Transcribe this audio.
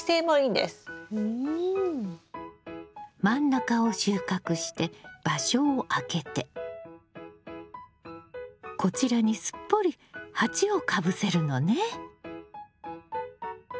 真ん中を収穫して場所を空けてこちらにすっぽり鉢をかぶせるのね。